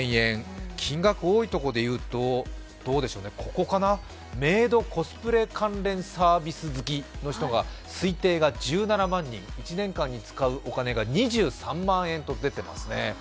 金額が多いところで言うと、メイド・コスプレ関連サービス好きの方が推定が１７万人、１年間に使うお金が２３万円と出ていますね。